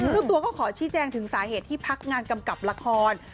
เจ้าตัวก็ขอชี้แจงถึงสาเหตุที่พักงานกำกับละคร